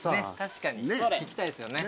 確かに引きたいですよね。